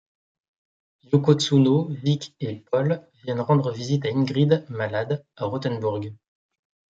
Yoko Tsuno, Vic et Pol viennent rendre visite à Ingrid, malade, à Rothenburg.